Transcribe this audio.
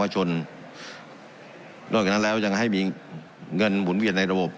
นอกจากนั้นแล้วยังให้มีเงินหมุนเวียนในระบบ